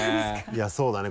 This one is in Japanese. いやそうだね。